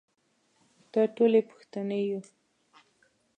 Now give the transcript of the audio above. دا ټولې پوښتنې يو.